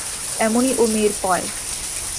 এমনই ও-মেয়ের পয়।